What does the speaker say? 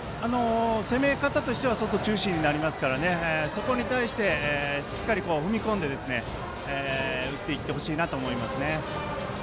攻め方としては外中心になりますからそれに対して踏み込んで打っていってほしいと思います。